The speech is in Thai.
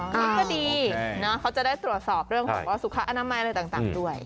ก็ดีเขาจะได้ตรวจสอบเรื่องของสุขอนามัยอะไรต่างด้วย